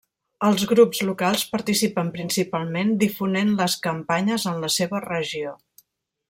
Els grups locals participen principalment difonent les campanyes en la seva regió.